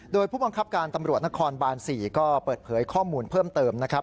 โดยผู้บังคับการตำรวจนครบาน๔ก็เปิดเผยข้อมูลเพิ่มเติมนะครับ